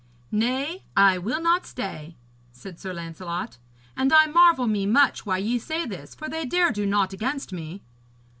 'Nay, I will not stay,' said Sir Lancelot, 'and I marvel me much why ye say this, for they dare do naught against me.'